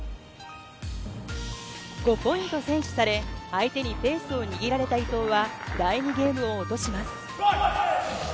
５ポイント先取され、相手にペースを握られた伊藤は第２ゲームを落とします。